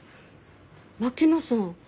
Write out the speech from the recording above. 槙野さん